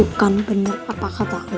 bukan bener apa katanya